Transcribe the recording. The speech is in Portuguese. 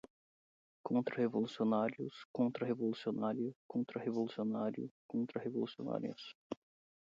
Contrarrevolucionários, contrarrevolucionária, contrarrevolucionário, contrarrevolucionárias